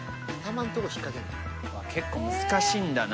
結構難しいんだな。